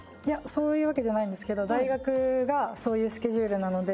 そういうわけじゃないんですけど大学がそういうスケジュールなので。